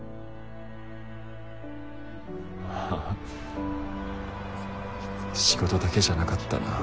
ああ仕事だけじゃなかったな。